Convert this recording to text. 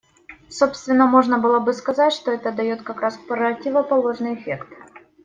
Собственно, можно было бы сказать, что это дает как раз противоположный эффект.